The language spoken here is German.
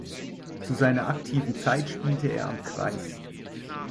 Zu seiner aktiven Zeit spielte er am Kreis.